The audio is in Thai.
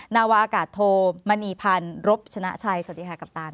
นาวาอากาศโทมณีพันธ์รบชนะชัยสวัสดีค่ะกัปตัน